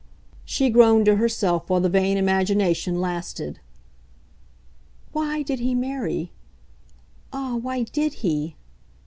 She groaned to herself, while the vain imagination lasted, "WHY did he marry? ah, why DID he?"